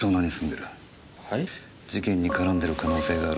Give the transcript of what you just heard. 事件に絡んでる可能性がある。